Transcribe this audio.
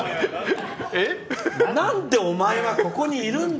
なんで、お前はここにいるんだ！